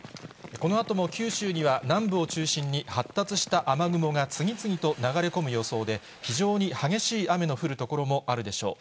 このあとも九州には南部を中心に、発達した雨雲が次々と流れ込む予想で、非常に激しい雨の降る所もあるでしょう。